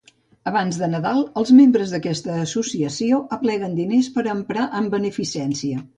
Abans de Nadal, els membres d'aquesta associació apleguen diners per emprar en beneficència.